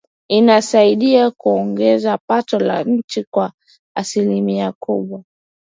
inasaidia kuongeza pato la nchi kwa asilimia kubwa